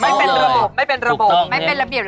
ไม่เป็นระบบไม่เป็นระเบียบระบบ